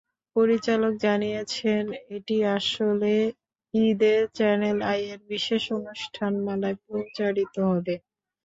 পরিচালক জানিয়েছেন, এটি আসছে ঈদে চ্যানেল আইয়ের বিশেষ অনুষ্ঠানমালায় প্রচারিত হবে।